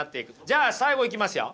じゃあ最後いきますよ。